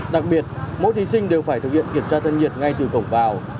đặc biệt mỗi thí sinh đều phải thực hiện kiểm tra thân nhiệt ngay từ cổng vào